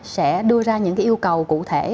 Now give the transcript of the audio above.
sẽ đưa ra những yêu cầu cụ thể